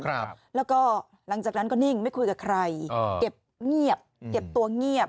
ครับแล้วก็หลังจากนั้นก็นิ่งไม่คุยกับใครอ๋อเก็บเงียบเก็บตัวเงียบ